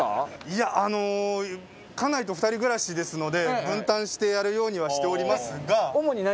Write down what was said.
いやあの家内と２人暮らしですので分担してやるようにはしておりますが。